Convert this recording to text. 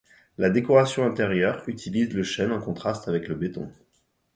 La décoration intérieure utilise le chêne en contraste avec le béton.